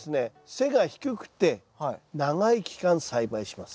背が低くて長い期間栽培します。